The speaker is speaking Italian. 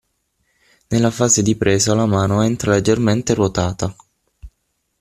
Nella fase di presa la mano entra leggermente ruotata.